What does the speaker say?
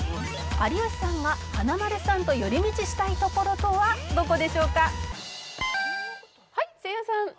「有吉さんが華丸さんと寄り道したい所とはどこでしょうか？」はいせいやさん。